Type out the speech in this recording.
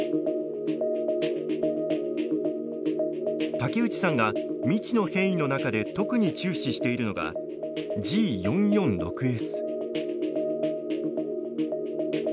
武内さんが、未知の変異の中で特に注視しているのがＧ４４６Ｓ。